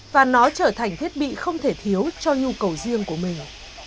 và nó trở thành thiết bị không thể thiếu cho nhu cầu riêng của mình